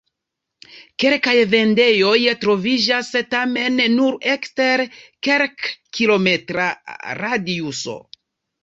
Kelkaj vendejoj troviĝas, tamen nur ekster kelkkilometra radiuso.